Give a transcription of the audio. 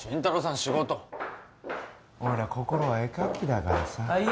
仕事おいら心は絵描きだからさいいよ